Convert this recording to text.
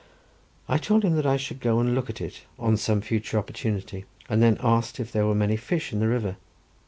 I told him that I should go and look at it on some future opportunity, and then asked if there were many fish in the river.